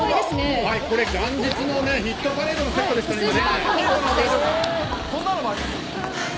元日の「ヒットパレード」のセットでしょうね。